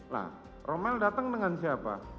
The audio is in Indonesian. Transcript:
nah romel datang dengan siapa